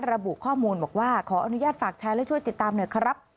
ระบุข้อมูลบอกว่าขออนุญาตฝากแชร์และช่วยติดตามหน่อยครับ